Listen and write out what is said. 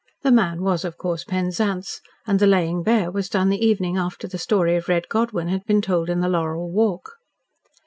The man was, of course, Penzance, and the laying bare was done the evening after the story of Red Godwyn had been told in the laurel walk.